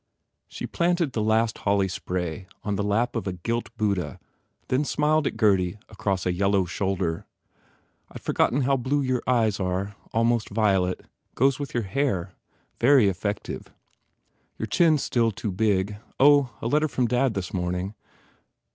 She 116 MARGOT planted the last holly spray on the lap of a guilt Buddha then smiled at Gurdy across a yellow shoulder, "I d forgotten how blue your eyes are. Almost violet. Goes with your hair. Very ef fective. ... Your chin s still too big. ... Oh, a letter from Dad this morning.